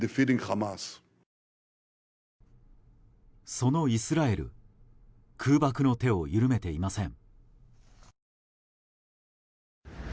そのイスラエル空爆の手を緩めていません。